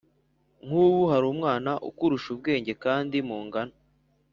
Nkubu harumwana ukurusha ubwenge kandi mungana